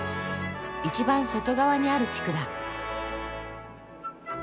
一番外側にある地区だ。